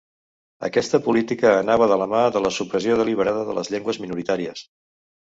Aquesta política anava de la mà de la supressió deliberada de les llengües minoritàries.